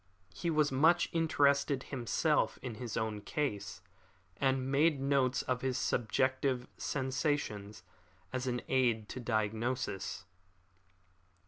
He was much interested himself in his own case, and made notes of his subjective sensations as an aid to diagnosis.